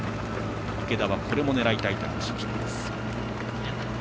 池田はこれも狙いたいという話をしています。